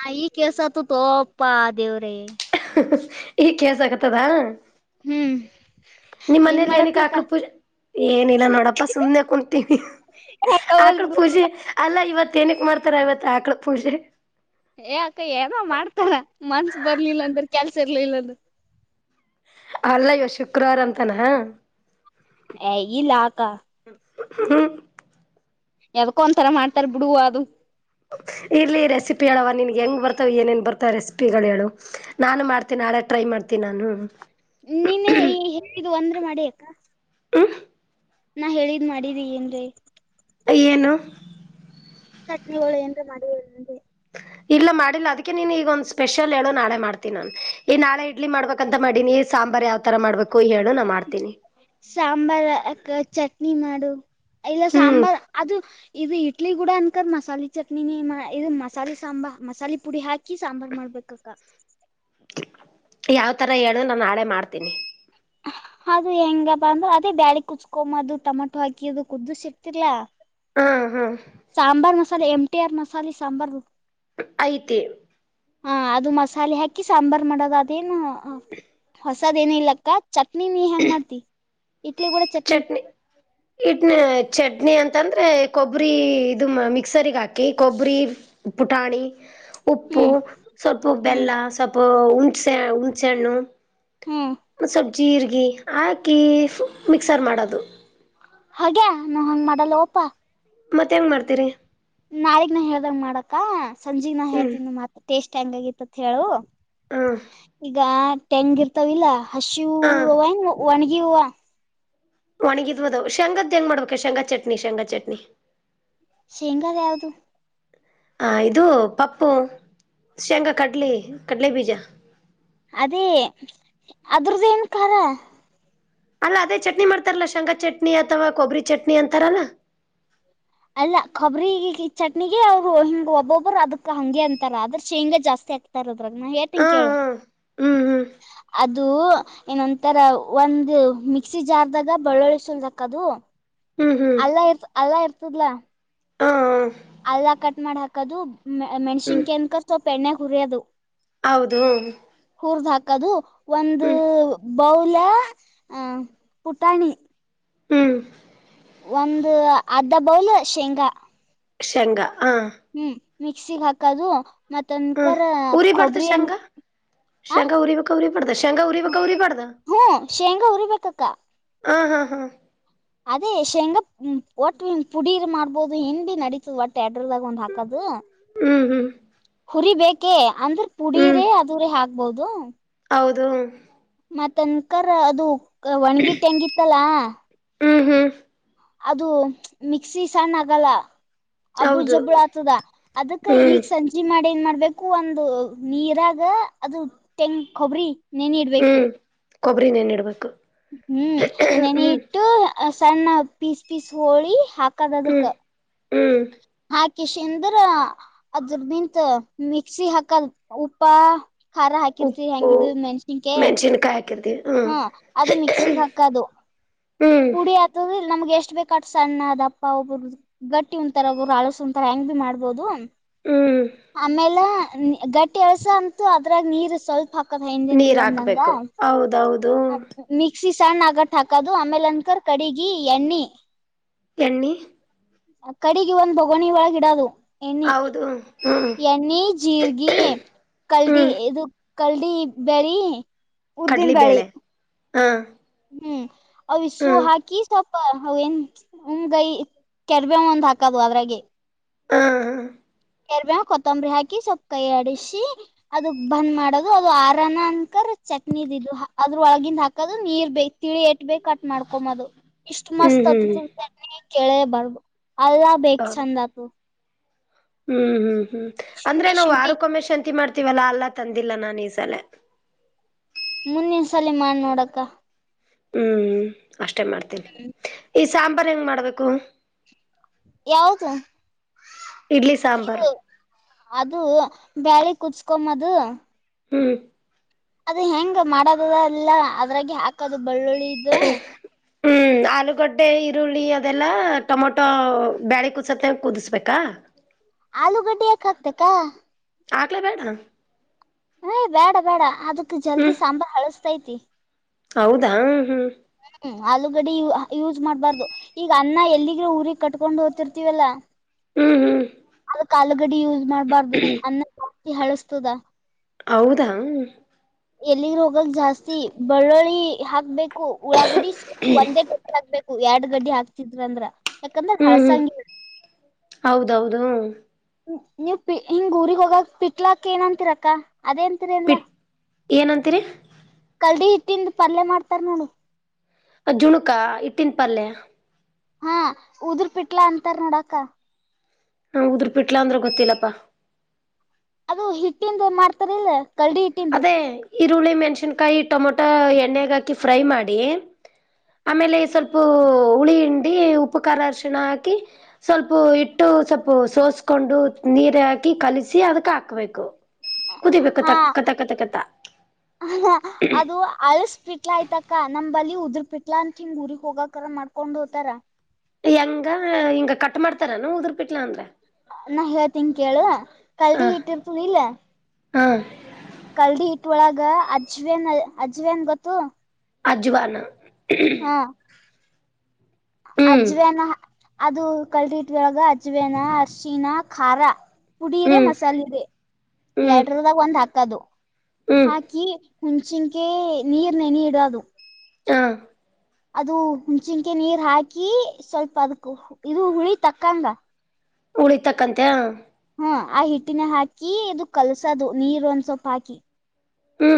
ನಾ ಈ ಕೆಸ ಆತ ತೋಪ್ಪಾ ದೇವ್ರೇ. ಇಗ್ ಕೆಲಸಕತದ. ಹ್ಮ್ ನಿಮ್ ಏನ್ ಮನೇಲಿ ಏನಕ್ ಮಾಡತ್ತೀಕ ಹಾಕ್ಳ ಪೂಜೆ ಏನಿಲ್ಲ ನೋಡ. ಪ್ಪ ಸುಮ್ಮ್ನೆ ಕುತೀವಿ ಆಕಳು ಪೂಜೆ. ಅಲ್ಲ ಇವತ್ ಏನಕ್ ಮಾಡ್ತಾರ ಇವತ್ ಆಕಳ ಪೂಜೆ. ಏ ಅಕ್ಕ ಏನೋ ಮಾಡ್ತಾರ ಮನ್ಸ ಬರ್ಲಿಲ್ಲ ಅಂದ್ರ ಕೆಲ್ಸ ಇರ್ಲಿಲ್ಲ ಅಂದ್ರೆ. ಅಲ್ಲ ಇವತ್ ಶುಕ್ರವಾರ ಅಂತಾನ. ಹೆ ಇಲ್ಲಕ್ಕ. ಹ್ಮ ಯಾವದಕ್ಕೋ ಒಂದಥರ ಮಾಡ್ತಾರೆ ಬಿಡು ಅದು. ಇರ್ಲಿ ರೆಸಿಪಿ ಹೇಳವ ನಿನ್ಗೆ ಹೆಂಗ್ ಬರ್ತಾವ ಏನೇನ್ ಬರ್ತಾವ ರೆಸಿಪಿಗಳು ಹೇಳು. ನಾನು ಮಾಡ್ತೀನಿ ನಾಳೆ ಟ್ರೈ ಮಾಡ್ತೀನಿ ನಾನು. ನಿನ್ನೆ ಹೇಳಿದ್ದು ಒಂದ್ ಅದ್ರು ಮಾಡಿಯಕ. ಹ್ಮ್ ನಾ ಹೇಳಿದ್ ಮಾಡಿದಿ ಏನ್ರೀ. ಏನು. ಕಟ್ಲಿ ಹೊಳೆ ಏನ್ರೆ ಮಾಡಿ ಅಂದೆ. ಇಲ್ಲ ಮಾಡಿಲ್ಲ ಅದಕ್ಕೆ ನೀನ್ ಈಗ ಒಂದ್ ಸ್ಪೆಷಲ್ ಹೇಳೋ ನಾಳೆ ಮಾಡ್ತೀನಿ ನಾನ್ ಈ ನಾಳೆ ಇಡ್ಲಿ ಮಾಡ್ಬೇಕಂತ ಮಾಡೀನಿ ಸಾಂಬಾರ್ ಯಾವ್ ತರ ಮಾಡ್ಬೇಕು ಹೇಳು ನಾ ಮಾಡ್ತೀನಿ. ಸಾಂಬಾರ್ ಅಕ್ಕ ಚಟ್ನಿ ಮಾಡು ಇಲ್ಲ ಹ್ಮ್ ಸಾಂಬಾರ್ ಅದು ಇದು ಇ ಚಟ್ಲಿ ಕೂಡ ಅನ್ಕದ ಮಸಾಲೆ ಚಟ್ನಿನಿ ಇದು ಮಸಾಲೆ ಸಾಂಬಾರ್ ಮಸಾಲೆ ಪುಡಿ ಹಾಕಿ ಸಾಂಬಾರು ಮಾಡ್ಬೇಕು. ಕಕ್ಕ. ಯಾವ ತರ ಹೇಳು ನಾನು ನಾಳೆ ಮಾಡ್ತೀನಿ. ಅದು ಹೆಂಗಪ್ಪ ಅಂದ್ರೆ ಅದೇ ಬ್ಯಾಳಿ ಕುತ್ಕೊಮದು ಅದು ಟಮಾಟೊ ಹಾಕಿ ಅದು ಕುದ್ದುಸಿತಿಲ್ಲಾ. ಹಾ ಹಾ ಸಾಂಬಾರ್ ಮಸಾಲೆ ಎಂಟಿ ಆರ್ ಮಸಾಲೆ ಸಾಂಬಾರು. ಐತಿ. ಹ ಅದು ಮಸಾಲೆ ಹಾಕಿ ಸಾಂಬಾರ್ ಮಾಡೋದ ಅದೇನು ಹೊಸದಏನು ಇಲಕ್ಕ. ಚಟ್ನ ನೀ ಹೆಂಗ್ ಮಾಡ್ತಿ ಇಡ್ಲಿ ಕೂಡ ಚ ಚಟ್ನಿ ಇಟ್ನ ಚಟ್ನಿ ಅಂತಂದ್ರೆ ಕೊಬ್ಬರಿ. ಇದು ಮಿಕ್ಸರ್ ಹಾಕಿ ಕೊಬ್ಬರಿ ಪುಟಾಣಿ ಉಪ್ಪು. ಹ್ಮ್ ಸ್ವಲ್ಪ ಹ್ಮ್ ಬೆಲ್ಲ ಸ್ವಲ್ಪ ಹುಣಸೆ ಹುಣ್ಸೆ ಹಣ್ಣು ಹ್ಮ್ ಸ್ವಲ್ಪ ಜೀರಿಗೆ ಹಾಕಿ ಮಿಕ್ಸರ್ ಮಾಡೋದು. ಹಾಗ್ಯಾ ನಾ ಹಂಗ ಮಾಡಲ್ಲ ಒಪ್ಪಾ. ಮತ್ ಹೆಂಗ್ ಮಾಡ್ತೀರಿ. ನಾಳಿಕ್ ನ ಹೇಳ್ದಂಗ ಮಾಡಕ ಸಂಜೆಗ್ ನ ಹ್ಮ್ ಹೇಳ್ತನ್ ಮಾತ್ರ ಟೇಸ್ಟ್ ಹೆಂಗಗತ್ತತ್ ಹೇಳು. ಹ್ಮ್ ಈಗ ತೆಂಗ ಇರ್ತವಿಲ್ಲ ಹಸಿ ಹಾ ಹೂವಂಗ ಒಣಗಿ ಹೂವ. ಒಣಿಗಿದ್ ಬದ್ ಶೇಂಗದ್ ಹೆಂಗ್ ಮಾಡ್ಬೇಕು ಶೇಂಗಾ ಚಟ್ನಿ ಶೇಂಗಾ ಚಟ್ನಿ. ಶೇಂಗಾ ಯಾವ್ದು. ಹ ಇದು ಪಪ್ಪು ಶೇಂಗಾ ಕಡ್ಲಿ ಕಡಲೆ ಬೀಜ. ಅದೇ ಅದ್ರ್ದನ್ ಖಾರ. ಅಲ್ಲ ಅದೇ ಚಟ್ನಿ ಮಾಡ್ತಾರಲ್ಲಾ ಶೇಂಗಾ ಚಟ್ನಿ ಅಥವಾ ಕೊಬ್ಬರಿ ಚಟ್ನಿ ಅಂತಾರಲ್ಲಾ ಅಲ್ಲ ಕೊಬ್ರ ಚಟ್ನಿಗೆ ಅವ್ರು ಹಿಂಗ್ ಒಬ್ಬೊಬ್ಬರು ಅದಕ್ ಹಂಗೆ ಅಂತಾರ ಅದ್ರ ಶೇಂಗಾ ಜಾಸ್ತಿ ಹಾಕ್ತಾರ ದ್ರಾಗ ನಾ ಹಾ ಹೇಳ್ತೀನಿ ಕೇಳು ಹಾ ಹ್ಮ್ ಹ್ಮ್ ಅ ಅದು ಏನೊಂತರ ಒಂದು ಮಿಕ್ಸಿ ಜಾರ್ ದಾಗ ಬಳ್ಳಳಿಸಲ್ದಕ್ದು ಹೂ ಹೂ ಅಲ್ಲ ಇ ಅಲ್ಲ ಇರ್ತದಲ್ಲಾ ಹೂ ಹೂ ಅಲ್ಲ ಕಟ್ ಮಾಡ ಹಾಕದು ಹ್ಮ್ ಮೆಣ್ಸಿನ್ ಕನ್ಕ ಸ್ವಲ್ಪ ಎಣ್ಣೆ ಹುರಿಯೋದು ಹೌದು ಹೂರ್ದ ಹಾಕದು ಒಂದು ಹ್ಮ್ ಒಂದು ಬೌಲ ಪುಟಾಣಿ ಹೂ ಒಂದು ಅರ್ಧ ಬೌಲ್ ಶೇಂಗಾ ಶೇಂಗ ಹಾ ಹೂ ಮಿಕ್ಸಿಗ್ ಹಾಕದು ಹ ಮತ್ತಂದಕರ ಕೊಬರಿ ಅನ್ ಶೇಂಗ ಉರಿ ವಕೌರಿ ಪಡದ ಶೇಂಗ ಉರಿಕೌರಿ ಪಡಾ ಹೂ ಶೇಂಗಾ ಉರಿಬೇಕಕ್ಕ ಹ ಹಾ ಹಾ ಅದೇ ಶೇಂಗ ಒಟ್ಟ ಪುಡೀರ್ ಮಾಡ್ಬೋದು ಹೆ್ ಭ ನಡೀತದ ಒಟ್ಟ ಎಡ್ರದಾಗ ಒಂದ್ ಹಾಕದು ಹೂ ಹೂ ಹುರಿ ಬೇಕೇ ಅಂದ್ರೆ ಹ್ಮ್ ಪುಡೀರೆೇ ಆದರೆ ಹಾಕ್ಬಹದು ಹೌದು ಮತ್ತನ್ಕರ್ ಅದು ಒಣ್ಗಿಟ್ಟ ಹೆಂಗಿತ್ತಲಾ ಹೂ ಹೂ ಅದು ಮಿಕ್ಸಿ ಸಣ್ಣ ಆಗಲ್ಲ ಅಬ್ಬಳ ಹೌದು ಜಬ್ಬಳ ಆತದ ಅದಕ್ಕ ಹ್ಮ್ ಈಗ ಸಂಜ ಇಲಿ ಮಾಡಿ ಏನ್ ಮಾಡ್ಬೇಕು ಒಂದು ನೀರಾಗ ಅದು ತೆಂಗ ಕೊಬರಿ ನೆನ ಇಡ್ಬೇಕು ಹ್ಮ್ ಕೊಬ್ಬರಿ ನೆನಿ ಇಡ್ಬೇಕು ಹೂ ನೆನ ಇಟ್ಟು ಸಣ್ಣ ಪೀಸ್ ಪೀಸ್ ಹೋಳಿ ಹಾಕ್ ಹೂ ಹಾಕಿ ಶಂದ್ರ ಅದ್ರ ನಿಂತ ಮಿಕ್ಸಿ ಹಾಕಲ್ ಉಪ್ಪ ಹರ ಹಾಕಿರ್ತಿರಿ ಹೆಂಗಿಡ್ರು ಮೆಣಸಿನ್ಕ ನ್ ಕಾಯ ಹಾಕಿರ್ತಿವಿ ಹಾ ಅದು ಮಿಕ್ಸಿಗ್ ಹಾಕದು ಹ್ಮ್ ಪುಡಿ ಇ ನಮ್ಗೆ ಎಷ್ಟು ಬೇಕಾ ಸಣ್ಣ ಅದ ಅಪ್ಪ ಒಬ್ಬರು್ದ ಗಟ್ಟಿ ಉಂಂತರ ಒರು ಅಳಸ ಉಂತರ ಹೆಂಗ್ ಭಿ ಮಾಡ್ಬೋದು ಹೂ ಆಮೇಲೆ ಗಟ್ಟಿ ಎಳ್ಸ ಅಂತೂ ಅದ್ರಾಗ ನೀರ್ ಸ್ವಲ್ಪ ಹಾಕದ ಹಿಂದೇನ ನೀರ್ ಇಿಲ್ಲ ಅಂದಂಗ ಹಾಕ್ಬೇಕು ಹೌದೌದು ಮಿಕ್ಸಿ ಸಣ್ಣ ಆಗಟ್ಟ ಹಾಕದು ಆಮೇಲೆ ಅನ್ಕರ್ ಕಡಗಿ ಎಣ್ಣಿ ಎಣ್ಣಿ ಕಡೆಗೆ ಒಂದು ಬಗೋಣಿ ಒಳಗ ಇಡೋದು ಎಣ್ಣೆ ಹೌದು ಹ್ಮ್ ಎಣ್ಣೆ ಜೀರ್ಗಿ ಕಲ್ದಿ ಹ್ಮ್ ಇದು ಕಲ್ಡಿ ಬೇರಿ ಕಡ್ಲಿಬೇಳೆ ಹಾ ಹೂ ಅವು ಹ್ಮ್ ಇಸುಹಾಕಿ ಸ ಅವ ಏನ್ ಹಮ್ಗೈ ಕೆರ್ಬೆ ಒಂದ್ ಹಾಕದು ಅದ್ರಾಗೆ ಹಾ ಹ ಎರ್ ಕೊತಂಬ ರಿ ಹಾಕಿ ಸ್ವಲ್ಪ ಕೈ ಆಡಿಸಿ ಅದು ಬಂದ್ ಮಾಡೋದು ಅದು ಆರನ ಅನ್ಕರ್ ಚಟ್ನಿಿದು ಅದ್ರ ಒಳಗಿಂದ ಹಾಕದು ನೀರ್ ಬೇಕು ತಿಳಿ ಎಟ್ಬ ಕಟ್ ಮಾಡ್ಕೊಂಬದು ಇಷ್ಟ್ ಮಸ್ತ್ ಆತ ಹ್ಮ್ ಹ್ಮ್ ತು ಕೇಳೇ ಬರ್ಬ ಅಲ್ಲಾ ಬೇಕ್ ಚಂದ ಆತ ಹೂ ಹೂ ಹೂ ಅಂದ್ರೆ ಶುಂಠಿ ನಾವ್ ಶುಂಠಿ ಆಾರಕ್ಕೊಮ್ಮೆ ಶಂತಿ ಮಾಡ್ತೀವಲ್ಲಾ ಅಲ್ಲಾ ತಂದಿಲ್ಲ ನಾನ್ ಈ ಸಲ ಮುಂದಿನ ಸಲ ಮಾಡಿ ನೋಡಕ್ಕ ಹೂ ಅಷ್ಟೇ ಮಾಡ್ತೀನಿ ಈ ಸಾಂಬಾರ್ು ಹೆಂಗ್ ಮಾಡ್ಬೇಕು ಯವುದು ಇಡ್ಲಿ ಸಾಂಬಾರ್ ಅದು ಬರೆ ಕುತ್ಕೊದು ಹೂ ಅದು ಹೆಂಗ ಮಾಡದದ ಇಲ್ಲ ಅದ್ರಾಗ ಹಾಕದು ಬೆಳ್ಳುಳ್ಳಿ ಹೂ ಹಾಕ್ ಆಲೂಗಡ್ಡೆ ಈರುಳ್ಳಿ ಅದೆಲ್ಲ ಟೊಮೊಟೊ ಬೇಳೆ ಕೂಸತ್ತ ಕುದಿಸ್ಬೇಕಾ ಆಲೂಗಡ್ಡೆ ಯಾಕ ಹಾಕ್ತಕ್ಕ ಆಗ್ಲೇ ಬೇಡ ಹ ಬೇಡ ಬೇಡ ಅದಕ್ ಜಲ್ದಿ ಹ್ಮ್ ಸಾಂಬಾರ್ ಹಳಸ್ತೈತಿ ಹೌದಾ ಹೂ ಹೂ ಆಲೂಗಡೆ ಯೂಸ್ ಮಾಡ್ಬಾರ್ದು ಈಗ ಅನ್ನ ಎಲ್ಲಿಗ್ರ ಊರಿಗೆ ಕಟ್ಕೊಂಡು ಓದತಿರ್ತಿೀವಲ್ಲಾ ಹೂ ಹೂ ಅದಕ ಆಲುಗಡಿ ಯೂಸ್ ಮಾಡ್ಬಾರ್ದು ಅನ್ನ ಜಾಸ್ತಿ ಹಳಸ್ತದ ಹೌದಾ ಎಲ್ಲಿಗ್ ಹೋಗಕ್ ಜಾಸ್ತಿ ಬೆಳ್ಳುಳ್ಳಿ ಹಾಕ್ಬೇಕು ಉಳ್ಳಾಗಡಿ ಒಂದೇ ಆಗ್ಬೇಕು ಎರಡ್ ಗಡ್ಡಿ ಹಾಕ್ತಿದ್ರ ಅಂದ್ರ ಯಾಕಂದ್ರ ಹ್ಮ್ ಹಳ್ಸಂಗಿ ಹೌದೌದು ನೀವು ಪ ಹಿಂಗ ಊರಿಗೆಗ್ ಹೋಗಕ್ ಪಟ್ಲಾಕ್ ಏನ್ಂತಿರಕ್ಕ ಅದೇ ಎ ಪಿಟ್ ಏನಂತೀರಿ ಕಲ್ಡಿ ಹಟ್ಟಿಂದ ಪಲ್ಯ ಮಾಡ್ತಾರ ನೋಡು ಅ್ ಜುಣುಕಾ ಇಟ್ಟನ್ ಪಲ್ಯ ಹಾ ಉದರ್ ಪಿಟ್ಲಾ ಅಂತಾರ ನೋಡಕ ಹ ಉದ್ರ ಪಿಟ್ಲಾ ಅಂದ್ರೆ ಗೊತ್ತಿಲ್ಲಪ್ಪಾ ಅದು ಹಿಟ್ಟಿಂದ ಮಾಡ್ತಾರಿಲ್ಲ ಕಲ್ಡಿ ಹಿಟ್ಟಿಂದು ಅದೇ ಈರುಳ್ಳಿ ಮೆಣ್ಸನ್ಕಾಯಿ ಟೊಮೊಟೊ ಎಣ್ಣಗೆ ಹಾಕಿ ಫ್ರೈ ಮಾಡಿ ಆಮೇಲೆ ಸ್ವಲ್ಪ ಹುಳಿ ಹಿಂಡಿ ಉಪ್ಪು ಖಾರ ಅರ್ಶಿಣ ಹಾಕಿ ಸ್ವಲ್ಪ ಇಟ್ಟು ಸ್ವಲ್ಪ ಸೋಸ್ಕೊಂಡು ನೀರ ಹಾಕಿ ಕಲಸಿ ಅದಕ್ ಹಾಕ್ಬೇಕು ಹಾ ಹ ಹ ಅದು ಅಲ್ಸ್ ಪಿಟ್ಲಾ ಆಯ್ತಕ ನ್ ಬಲಿ ಉದ್ರ ಪಿಟ್ಲಾ ಅಂತ ಹಿಂಗ ಊರಿಗ್ ಹೋಗಕರ ಮಾಡ್ ಕೊಂಡು ಹೋಗತಾರಾ ಹೆಂಗ ಹಿಂಗ ಕಟ್ ಮಾಡ್ತಾರಾನ ಉದರ್ಪಿಟ್ಲ ಅಂದ್ರೆ ನಾ ಹೇಳ್ತೀನಿ ಕೇಳು ಕಲ್ಡಿಿ ಇಟ್ಟಿರ್ತದ ಇಲ್ಲ ಹಾ ಕಲ್ದಿ ಇಟ್ ಒಳಗ ಅಜ್ವೇನ್ ಅಜ್ವೇನ್ ಗೊತ್ತು ಅಜ್ವನ್ ಹಾ ಹ್ಮ್ ಅಜ್ವೇನ ಹಾಕ್ ಅದು ಕಲ್ದಿಟ್ೊಳಗ ಅಜ್ವೇನ ಅರ್ಶಣ ಖಾರ ಪುಡಿ ಇದೆ ಹ್ಮ್ ಮಸಾಲೆ ಇದೆ ಹ್ಮ್ ಎರಡದಾಗ ಒಂದ್ ಹಾಕದು ಹ್ಮ್ ಹಾಕಿ ಹುಂಚಿನ್ಕ ನೀರ್ನೆ ನೆನೆ ಇಡೋದು ಅದು ಹಾ ಅದು ಹುಣ್ಚಿನ್ಕೆ ನೀರ್ ಹಾಕಿ ಸ್ವಲ್ಪ ಅದ್ಕ್ ಇದು ಹುಳಿ ತಕ್ಕಂದ ಉಳಿಗೆ ತಕ್ಕಂತೆ ಹೂ ಆ ಹಿಟ್ಟಿನ ಹಾಕಿ ಇದು ಕಲ್ಸದು ನೀರು ಒಂದ್ ಸ್ವಪ ಹಾಕಿ ಹೂ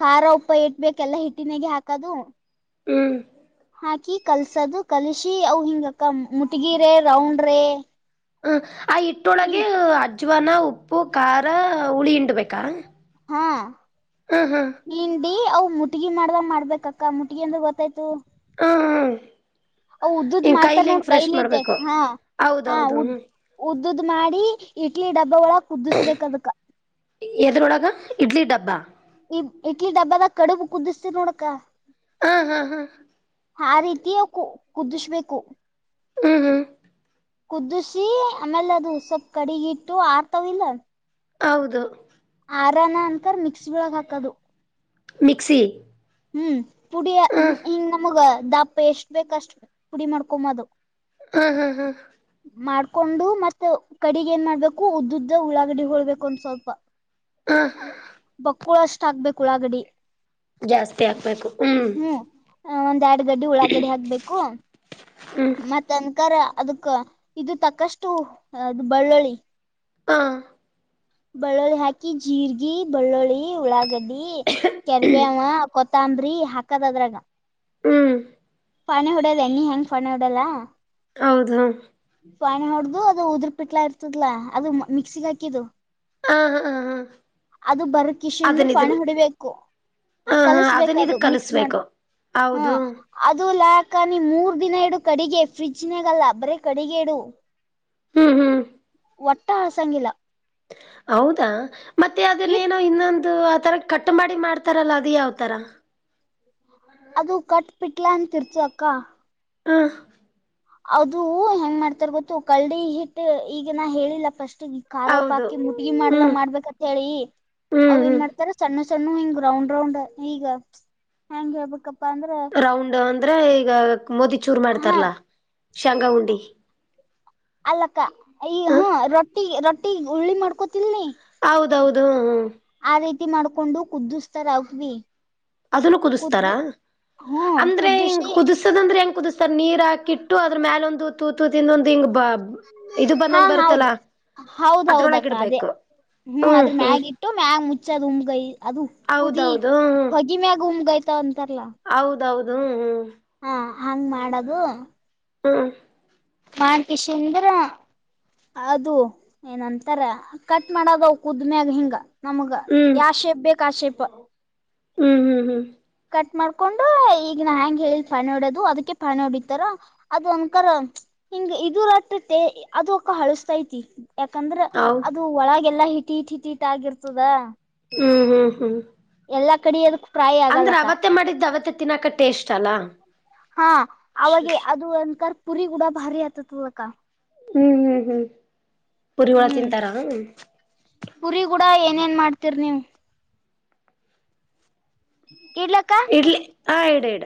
ಖಾರ ಉಪ್ಪ ಇಟ್ಬೇಕ ಎಲ್ಲಾ ಹಿಟ್ಟಿನಾಗ ಹಾಕದು ಹೂ ಹಾಕಿ ಕಲ್ಸದು ಕಲ್ಸಿ ಅ ಹಿಂಗಕ್ಕ ಮುಟಗಿರೇ ರೌಂಡ್ರೇ ಹ ಆ ಹಿಟ್ಟೊಳಗೆ ಅಜ್ವನ ಉಪ್ಪು ಖಾರ ಹುಳಿ ಹಿಂಡಬೇಕಾ ಹಾ ಹಿಂಡಿ ಅವು ಮುಟಗಿ ಮಾಡ್ದ ಮಾಡ್ಬೇಕಕ್ಕ ಮುಟಗಿ ಅಂದ್ರ ಗೊತ್ತಾಯ್ತು ಹ ಹಾ ಆವ್ ಉದ್ದದ ಮಾಡ್ತಾರ ನೋಡ್ ಕೈಲಿ ಐತೆ ಮಾಡ್ಬೇಕು ಹಾ ಹಾ ಹೌದೌದು ಉದ್ದ ಹ್ಮ್ ಉದ್ದುದ್ ಮಾಡಿ ಇಡ್ಲಿ ಡಬ್ಬ ಒಳಕ್ ಕುದ್ದಿಸಬೇಕ ಅದಕ್ಕ ಎದ್ರೊಳಗ ಇಡ್ಲಿ ಡಬ್ಬಾ ಈ ಇಡ್ಲಿ ಡಬ್ಬದ ಕಡುಬು ಕುದಿಸ್ತ್ರೀ ನೋಡ ಅಕ್ಕ ಹಾ ಹಾ ಹಾ ಆ ರೀತಿಿಯ ಕು ಕುದಿಸ್ಬೇಕು ಹಾ ಹಾ ಕುದಿಸಿ ಆಮೇಲೆ ಅದು ಸೊಪ್ ಕಡಿಗಿಟ್ಟು ಆರ್ತವಿಲ್ಲ ಹೌದು ಆರಾನ ಅಂತರ ಮಿಕ್ಸಿ ಬೆಳಗ್ ಹಾಕದು ಮಿಕ್ಸಿ ಹೂ ಪುಡಿ ಹ ಹೂ ಹಿಂಗ ನಮಗ ದಾಪ ಎಷ್ಟ್ ಬೇಕ ಅಷ್ಟ ಪುಡಿ ಮಾಡ್ಕೊದು ಹೂ ಹಾ ಹಾ ಮಾಡ್ಕೊಂಡು ಮತ್ತೆ ಕಡಿಗೆ ಏನ್ ಮಾಡ್ಬೇಕು ಉದ್ದ ಉದ್ದ ಉಳ್ಳಾಗಡಿ ಹ ಹೊಳ್ಬೇಕು ಒಂದ ಸ್ವಲ್ಪ ಹೂ ಬಕ್ಕುಳ ಅಷ್ಟ ಆಗ್ಬೇಕು ಉಳಾಗಡ್ಡಿ ಜಾಸ್ತಿ ಹಾಕ್ಬೇಕು ಹೂ ಹ ಒಂದ್ ಎರಡು ಗಡ್ಡಿ ಉಳಾಗಡ್ಡಿ ಹಾಕ್ಬೇಕು ಹ್ಮ್ ಮತ್ತ ಅನ್ಕಾರ ಅದಕ್ ಇದು ತಕಷ್ಟು ಅದು್ ಬಳ್ಳುಳ್ಳಿ ಹಾ ಬೆಳ್ಳುಳ್ಳಿ ಹಾಕಿ ಜೀರ್ಗಿ ಬೆಳ್ಳುಳ್ಳಿ ಉಳ್ಳಾಗಡ್ಡಿ ಕೆರ್ಬೆವ ಕೊತ ತಂಬ್ರಿ ಹಾಕದ ಅದ್ರಾಗ ಹ್ಮ್ ಪಾಣೆ ಹೊಡಲ್ಲ ಎನೀ ಹೆಂಗ ಪಾಣೆ ಹೊಡಲ್ಲ ಹೌದು ಹೌದು ಪಾಣಿ ಹೊಡ್ದು ಅದು ಉದ್ರ ಪಿಟ್ಲಾ ಇರ್ತದಲಾ ಅದು ಮಿಕ್ಸಿಗ್ ಹಾಕಿದು ಹ ಹಾ ಹ ಹಾ ಅದು ಬರ್ಬೆಕ್ ಕಿಶಿಂದರು ಪಾಣ ಹೊಡಿಬೇಕು ಆ ಹ ಹ ಅದನ್ನ ಕಲಸ್ಬೇಕದು ಇದಕ್ ಮಿಕ್ಸ್ ಕಲಿಸ್ಬೇಕು ಮಾಡಬೇ ಹ ಹೌದು ಅದು ಲಾಕ ನೀ ಮೂರ್ ದಿನ ಇಡು ಕಡೆಗೆ ಫ್ರಿಜಿನಾಗಲ್ಲ ಬರೀ ಕಡೆಗೆ ಇಡು ಹೂ ಹೂ ಒಟ್ಟ ಆಸಂಗಿಲ್ಲ ಹೌದಾ ಮತ್ತೆ ಇಟ್ ಅದನ್ನೇನೋ ಇನ್ನೊಂದು ಆ ತರ ಕಟ್ ಮಾಡಿ ಮಾಡ್ತ ತರಲ್ಲ ಅದ ಯಾವ ತರ ಅದು ಕಟ್ಬಿಟ್ಲ ಅಂತಿರ್ತು ಅಕ್ಕ ಹಾ ಅದು ಹೆಂಗ್ ಮಾಡ್ತಾರ ಗೊತ್ತು ಕಲ್ಡಿ ಹಿಟ್ಟ ಈಗ ನಾ ಹೇಳಿಲ್ಲ ಫಸ್ಟ್ ಖೋಪ ಹೌದು ಹಾಕಿ ಮುಟ್ಟಗಿ ಮಾಡ್ದ ಹ್ಮ್ ಮಾಡ್ಬೇಕಂತ ಹೇಳಿ ಹ್ಮ್ ಅವ ಏನ್ ಹ್ಮ್ ಮಾಡ್ತ ರ ಸಣ್ಣ ಸಣ್ಣ ಹಿಂಗ್ ರೌಂಡ್ ರೌಂಡ್ ಈಗ ಹೆಂಗ ಹೇಳ್ಬೇಕಪ್ಪಾ ಅಂದ್ರ ರೌಂಡ್ ಅಂದ್ರೆ ಈಗ ಮೋದಿ ಚೂರ್ ಹಾ ಮಾಡ್ತಾರಲ್ಲಾ ಶಾಂಗಾ ಉುಂಡಿ ಅಲ್ಲಕ್ಕ ಈ ಹ ಹಾ ರೊಟ್ಟಿ ರೊಟ್ಟಿ ಉರುಳ್ಳಿ ಮಾಡ್ಕೊತಿಲ್ನ ಹೌದೌದು ಹೂ ಹೂ ಆ ರೀತಿ ಮಾಡ್ಕೊಂಡು ಕುದಿಸ್ತಾರ ಆಕ್ವಿ ಅದನ್ನು ಕುದಿಸ್ತಾರಾ ಹ್ಮ ಅಂದ್ರೆಂಗ ಕುದಿಸಿ ಕುದಿಸದಂದ್ರೆ ಹೆಂಗ ಕುದಿಸ ನೀರ್ ಹಾಕಿಟ್ಟು ಅದ್ರ ಮ್ಯಾಲ ಒಂದು ತೂತು ತಿಿಂದ ಒಂದ್ ಹಿಂಗ್ ಇದು ಹಾ ಬಂದಂಗ ಹೌದು ಬರುತ್ತಲ್ಲಾ ಹೌದ ಹೌದ ಅದ್ರೊಳಗ ಅಕ್ಕ ಅದೇ ಇಡ್ಬೇಕು ಹೂ ಹ್ಮ್ ಅದ್ರ ಹ್ಮ್ ಮ್ಯಾಗ ಇಟ್ಟು ಮ್ಯಾಗ ಮುಚ್ಚದ್ ಉಮಗಾಯ ಅದು ಕುದಿ ಹೌದೌದು ಹ್ಮ್ ಹೊಗಿ ಮ್ಯಾಗ ಉಮ್ಗಾಯತ ಅಂತಾರಲ್ಲಾ ಹೌದೌದು ಹೂ ಹಾ ಹಂಗ್ ಮಾಡದು ಹೂ ಮಾಡ್ಕೇಶಿಂದಡ್ರ ಅದು ಏನಂತಾರೆ ಕಟ್ ಮಾಡದಾವ ಕುದ್ಮ್ಯಾಗ ಹಿಂಗ ನಮಗ ಹ್ಮ್ ಯಾವ ಶೇಪ್ ಬೇಕ ಆ ಶೇಪ್ ಹೂ ಹೂ ಹೂ ಕಟ್ ಮಾಡ್ಕೊಂಡು ಈಗ ನಾ ಹೆಂಗೆ ಹೇಳ ಪಣ ಹೊಡೋದು ಅದಕ್ಕೆ ಪಣ್ ಹೊಡಿತಾರ ಅದ ಅನ್ಕಾರರ ಹಿಂಗ ಇದು ರಟ್ಟುತ್ತೆ ಅದುಕ್ಕ ಹಳಸ್ತೈತಿ ಯಾಕಂದ್ರ ಹೌ ಅದು ಒಳಗೆಲ್ಲಾ ಹಿಟ್ಟಿಟ್ ಹಿಟ್ಟಿ ಹಿಟ್ಟ ಆಗಿರ್ತದ ಹೂ ಹೂ ಹೂ ಎಲ್ಲಾ ಕಡಿಯದು ಅಂದ್ರೆ ಅವತ್ತ ಮಾಡಿದ್ದು ಅವತ್ತ ತಿನ್ನಾಕ ಟೇಸ್ಟ್ ಅಲ್ಲಾ ಹಾ ಅವಾಗೆ ಅದು ಒಂತರ್ ಪುರಿ ಕೂಡ ಭಾರಿ ಆತತ್ಲಕ ಹೂ ಹೂ ಹೂ ಪುರಿವಳ ತಿಂತಾರಾ ಪೂರಿ ಕೂಡ ಏನೇನ್ ಮಾಡ್ತಿೀರ ನೀವು ಇಲ್ಲಕ್ಕ ಇಡ್ಲಿ ಹ ಇಡ ಇಡ